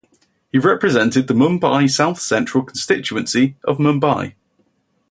He represented the Mumbai South Central constituency of Mumbai.